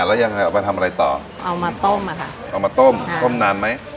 แล้วยังไงเอามาทำอะไรต่อเอามาต้มอ่ะค่ะเอามาต้มต้มนานไหม